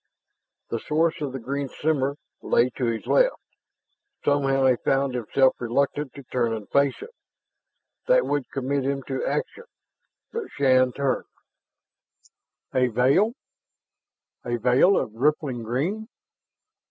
The source of the green shimmer lay to his left. Somehow he found himself reluctant to turn and face it. That would commit him to action. But Shann turned. A veil, a veil of rippling green.